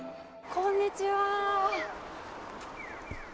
こんにちは。